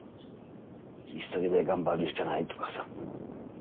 一人で頑張るしかないとかさ。